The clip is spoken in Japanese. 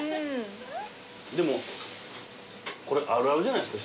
でもこれあるあるじゃないっすか？